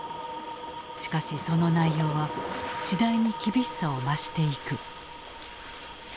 しかしその内容は次第に厳しさを増していく。